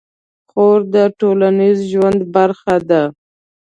خور د ټولنیز ژوند برخه ده.